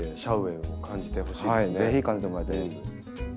ぜひ感じてもらいたいです。